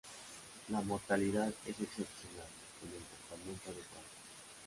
La mortalidad es excepcional con el tratamiento adecuado.